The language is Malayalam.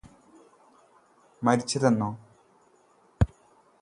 മരിച്ചതെന്നോ